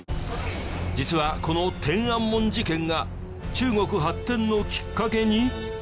実はこの天安門事件が中国発展のきっかけに！？